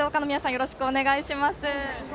よろしくお願いします。